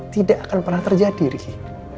tidak akan pernah terjadi riki